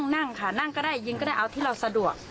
นั่งค่ะนั่งก็ได้ยิงก็ได้เอาที่เราสะดวก